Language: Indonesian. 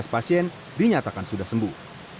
dua ratus sembilan belas pasien dinyatakan sudah sembuh